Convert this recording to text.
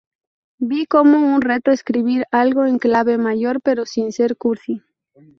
Vi como un reto escribir algo en clave mayor, pero sin ser cursi.